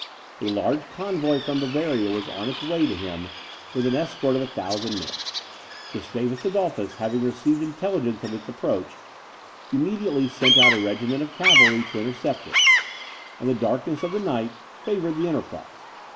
A large convoy from Bavaria was on its way to him, with an escort of a thousand men. Gustavus Adolphus having received intelligence of its approach, immediately sent out a regiment of cavalry to intercept it; and the darkness of the night favoured the enterprise.